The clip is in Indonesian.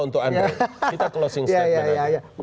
untuk anda kita closing statement